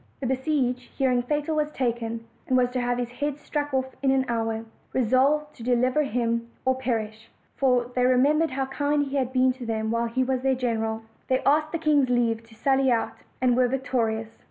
The besieged, hearing Fatal was taken, and was to have his head struck off in an hour, resolved to deliver him or perish, for they remembered how kind he had been to them while he was their general: they asked the king's leave to sally out, and were victorious.